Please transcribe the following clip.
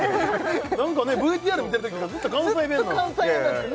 なんかねＶＴＲ見てるときもずっと関西弁なんですよ